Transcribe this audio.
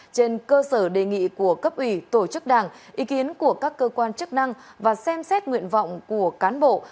trên cơ sở đề nghị của cấp ủy tổ chức đảng ý kiến của các cơ quan chức năng và xem xét nguyện vọng của cán bộ